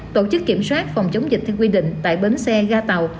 tổ chức kiểm soát phòng chống dịch theo quy định tại bến xe ga tàu